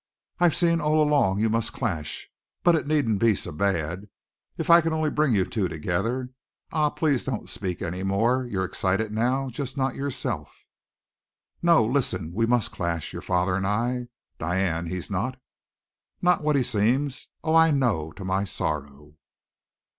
"I've seen all along you must clash. But it needn't be so bad. If I can only bring you two together Ah! please don't speak any more. You're excited now, just not yourself." "No, listen. We must clash, your father and I. Diane, he's not " "Not what he seems! Oh, I know, to my sorrow."